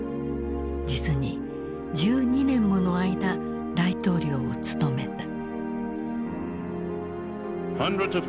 実に１２年もの間大統領を務めた。